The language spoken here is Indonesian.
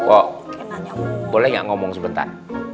bo boleh gak ngomong sebentar